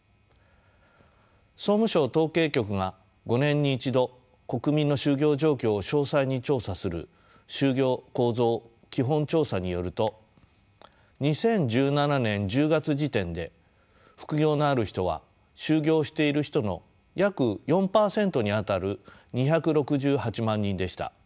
総務省統計局が５年に一度国民の就業状況を詳細に調査する「就業構造基本調査」によると２０１７年１０月時点で副業のある人は就業している人の約４％にあたる２６８万人でした。